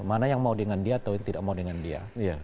mana yang mau dengan dia atau yang tidak mau dengan dia